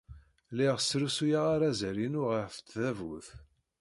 Lliɣ srusuyeɣ arazal-inu ɣef tdabut.